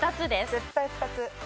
絶対２つ。